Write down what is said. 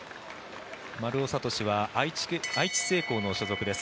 丸尾知司は愛知製鋼の所属です。